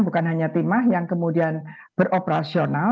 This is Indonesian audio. bukan hanya timah yang kemudian beroperasional